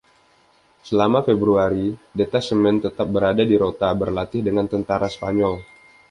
Selama Februari detasemen tetap berada di Rota, berlatih dengan tentara Spanyol.